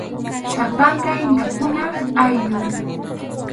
Sapanka inkakunap ayllun.